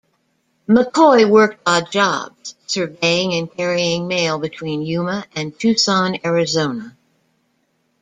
McCoy worked odd jobs, surveying and carrying mail between Yuma and Tucson, Arizona.